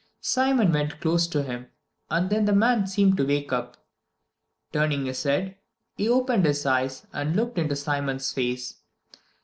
Simon went close to him, and then the man seemed to wake up. Turning his head, he opened his eyes and looked into Simon's face.